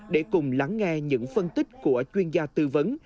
để cùng lắng nghe những phân tích của chuyên gia tư vấn